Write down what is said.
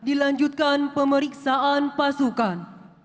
dilanjutkan pemeriksaan pasukan